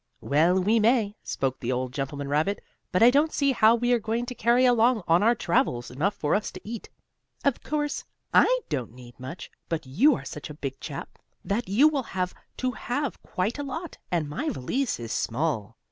"Well, we may," spoke the old gentleman rabbit, "but I don't see how we are going to carry along on our travels enough for us to eat. Of course, I don't need much, but you are such a big chap that you will have to have quite a lot, and my valise is small."